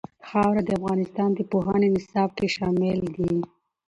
خاوره د افغانستان د پوهنې نصاب کې شامل دي.